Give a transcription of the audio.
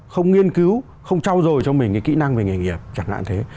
không nghiên cứu không trao dồi cho mình cái kỹ năng về nghề nghiệp chẳng hạn thế